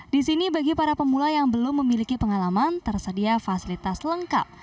di sini bagi para pemula yang belum memiliki pengalaman tersedia fasilitas lengkap